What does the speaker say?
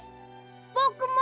ぼくも！